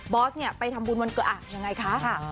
บอสเนี่ยไปทำบุญวันเกิดอาทิตย์ยังไงคะค่ะ